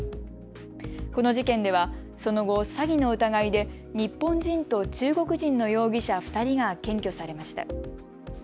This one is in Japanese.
この事件ではその後、詐欺の疑いで日本人と中国人の容疑者２人が検挙されました。